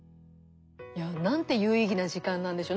いやなんて有意義な時間なんでしょう。